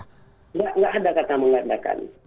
tidak ada kata mengandalkan